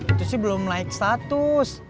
itu sih belum naik status